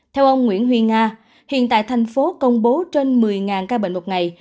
theo ông nguyễn huy nga hiện tại thành phố công bố trên một mươi ca bệnh một ngày